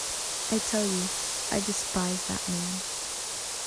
I tell you I despise that man.